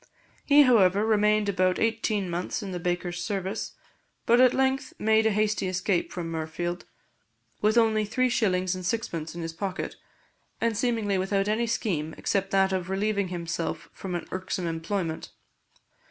He, however, remained about eighteen months in the baker's service, but at length made a hasty escape from Mirfield, with only three shillings and sixpence in his pocket, and seemingly without any scheme except that of relieving himself from an irksome employment.